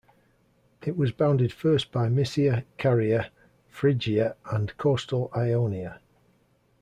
It was bounded first by Mysia, Caria, Phrygia and coastal Ionia.